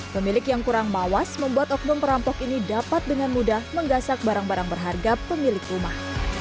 pemilik yang kurang mawas membuat oknum perampok ini dapat dengan mudah menggasak barang barang berharga pemilik rumah